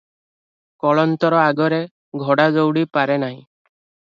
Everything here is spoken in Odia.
କଳନ୍ତର ଆଗରେ ଘୋଡ଼ା ଦଉଡ଼ି ପାରେ ନାହିଁ ।